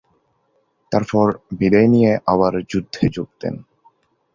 তারপর বিদায় নিয়ে আবার যুদ্ধে যোগ দেন।